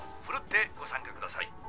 奮ってご参加ください。